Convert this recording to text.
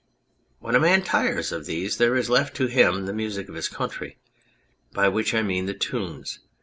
When a man tires of these there is left to him the music of his country, by which I mean the tunes.